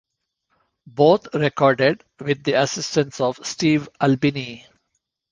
Both recorded with the assistance of Steve Albini.